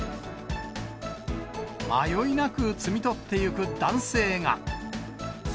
迷いなく摘み取っていく男性が。